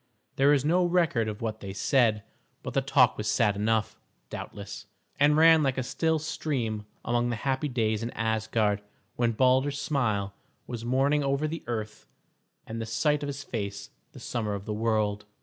There is no record of what they said, but the talk was sad enough, doubtless, and ran like a still stream among the happy days in Asgard when Balder's smile was morning over the earth and the sight of his face the summer of the world.